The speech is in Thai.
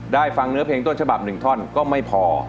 ฟังเนื้อเพลงต้นฉบับ๑ท่อนก็ไม่พอ